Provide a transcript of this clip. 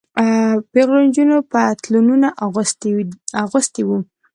پيغلو نجونو پتلونونه اغوستي وو.